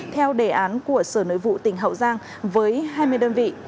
theo đề án của sở nội vụ tỉnh hậu giang với hai mươi đơn vị